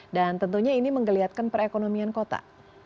dan tentunya ini menggeliatkan perekonomian kota